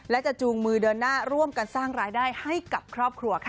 และจะจูงมือเดินหน้าร่วมกันสร้างรายได้ให้กับครอบครัวค่ะ